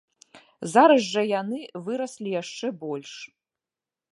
Зараз жа яны выраслі яшчэ больш.